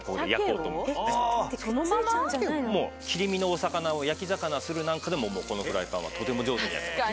切り身のお魚を焼き魚するのでもこのフライパンはとても上手に焼けます。